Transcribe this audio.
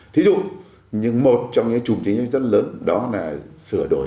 thí dụ một trong những chủng chính rất lớn đó là sửa đổi